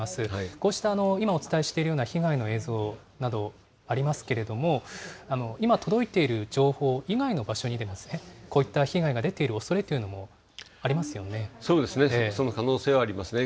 こうした今お伝えしているような被害の映像などありますけれども、今届いている情報以外の場所にもこういった被害が出ているおそれそうですね、その可能性はありますね。